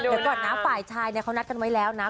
เดี๋ยวก่อนนะฝ่ายชายเขานัดกันไว้แล้วนะ